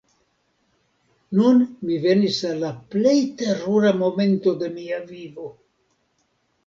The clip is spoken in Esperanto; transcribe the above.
Nun mi venis al la plej terura momento de mia vivo!